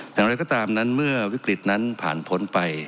อย่างไรก็ตามนั้นเมื่อวิกฤตนั้นผ่านพ้นไป